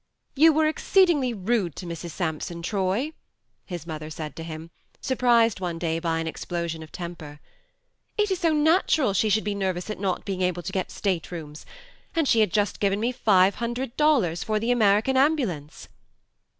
" You were exceedingly rude to Mrs. Sampson, Troy," his mother said to him, surprised one day by an explosion of temper. " It is so natural she should be nervous at not being able to get state rooms ; and she had just given me five hundred dollars for the American ambulance."